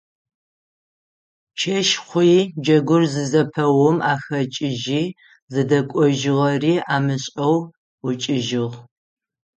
Чэщ хъуи джэгур зызэпэум ахэкӏыжьи зыдэкӏожьыгъэри амышӏэу ӏукӏыжьыгъ.